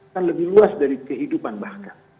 kan lebih luas dari kehidupan bahkan